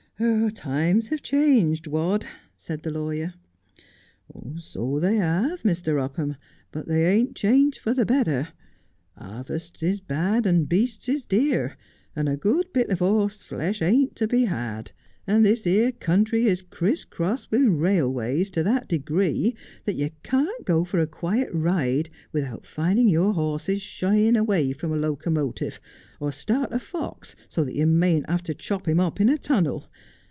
' Times have changed, Wadd,' said the lawyer. ' So they have, Mr. Upham, but they ain't changed for the better. Harvests is bad, and beasts is dear, and a good bit of horse flesh ain't to be had ; and this here country is criss crossed with railways to that degree that you can't go for a quiet ride without finding your horses shying away from a locomotive, or start a fox so that you mayn't have to chop him up in a tunnel.